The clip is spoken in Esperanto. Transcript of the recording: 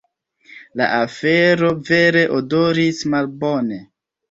La afero vere odoris malbone.